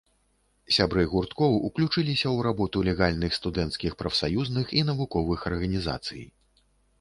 Сябры гурткоў уключыліся ў работу легальных студэнцкіх прафсаюзных і навуковых арганізацый.